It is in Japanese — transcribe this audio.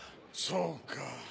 そうか。